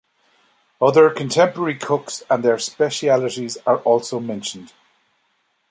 Other contemporary cooks and their specialties are also mentioned.